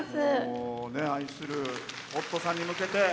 愛する夫さんに向けて。